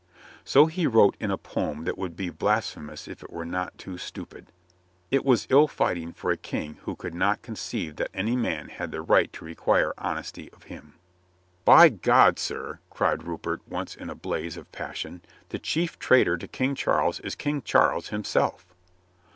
So he wrote in a poem that would be blasphemous if it were not too stupid. It was ill fighting for a King who could not conceive that any man had the right to require honesty of him. "By God, sir," cried Rupert once in a blaze of passion, "the chief traitor to King Charles is King Charles himself."